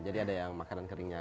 jadi ada yang makanan kering aja